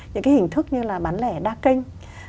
những cái hình thức như là bán lẻ đa kênh